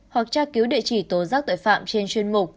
hoặc tra cứu địa chỉ tố giác tội phạm trên chuyên mục